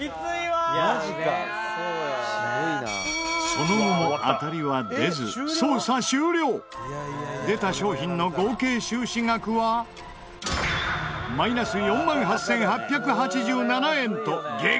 その後も当たりは出ず出た商品の合計収支額はマイナス４万８８８７円と激やば大赤字。